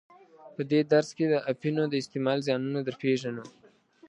په دې درس کې د اپینو د استعمال زیانونه در پیژنو.